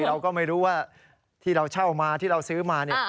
เราก็ไม่รู้ว่าที่เราเช่ามาที่เราซื้อมา